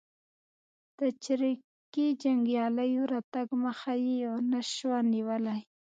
د چریکي جنګیالیو راتګ مخه یې نه شوه نیولای.